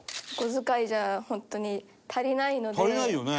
足りないよね？